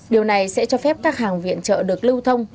điều này sẽ cho phép các hàng viện trợ được lưu thông